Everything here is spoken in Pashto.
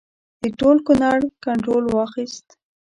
د ټول کنړ کنټرول واخیست.